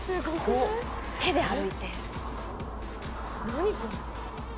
手で歩いてる。